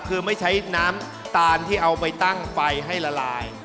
คือไม่ใช้น้ำตาลที่เอาไปตั้งไฟให้ละลาย